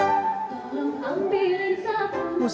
untuk menjaga kepentingan mereka